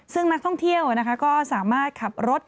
ซึ่งนักท่องเที่ยวก็สามารถขับรถ